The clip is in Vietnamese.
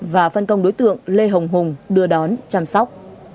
và phân công đối tượng lê hồng hùng đưa đón chăm sóc